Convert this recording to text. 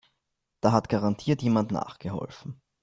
Da hat garantiert jemand nachgeholfen.